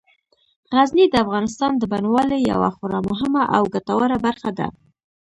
غزني د افغانستان د بڼوالۍ یوه خورا مهمه او ګټوره برخه ده.